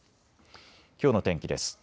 きょうの天気です。